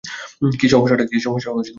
কী সমস্যা কুকুরটার চোখে?